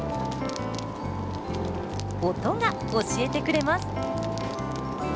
音が教えてくれます。